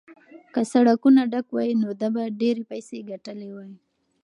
که سړکونه ډک وای نو ده به ډېرې پیسې ګټلې وای.